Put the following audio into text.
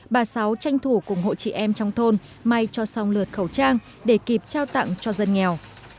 bà sáu tranh thủ cùng hộ chị em trong thôn may cho xong lượt khẩu trang để kịp trao tặng cho dân nghèo